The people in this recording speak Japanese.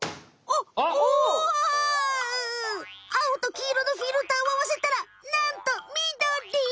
あおときいろのフィルターをあわせたらなんとみどり！